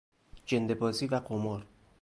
جندهبازی و قمار